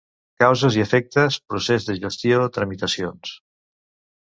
Causes i efectes, procés de gestió, tramitacions...